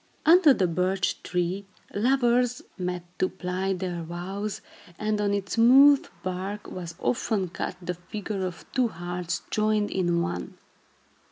Under the birch tree, lovers met to plight their vows, and on its smooth bark was often cut the figure of two hearts joined in one.